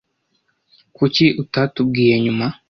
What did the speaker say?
Kuki utatubwiye nyuma?